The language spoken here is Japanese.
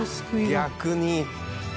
逆に。